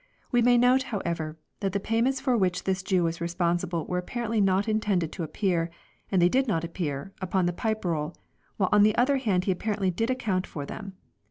We may note, however, that the payments for which this Jew was responsible were apparently not intended to appear, and did not appear, upon the Pipe Roll ; while on the other hand he apparently did account for them.